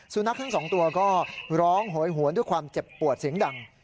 สุนัขทั้งสองตัวก็ร้องโหยหวนด้วยความเจ็บปวดเสียงดัง